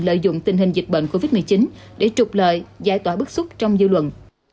lợi dụng tình hình dịch bệnh covid một mươi chín để trục lợi giải tỏa bức xúc trong dư luận